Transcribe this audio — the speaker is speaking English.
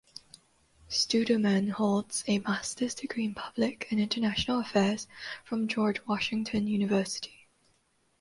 Studeman holds a master's degree in public and international affairs from George Washington University.